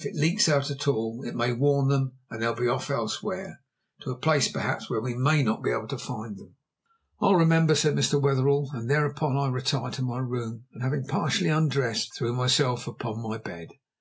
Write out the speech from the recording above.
If it leaks out at all, it may warn them, and they'll be off elsewhere to a place perhaps where we may not be able to find them." "I'll remember," said Mr. Wetherell, and thereupon I retired to my room, and, having partially undressed, threw myself upon my bed.